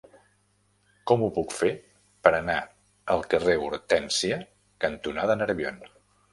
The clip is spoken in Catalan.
Com ho puc fer per anar al carrer Hortènsia cantonada Nerbion?